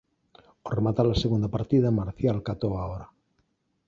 Ó remata-la segunda partida, Marcial catou a hora.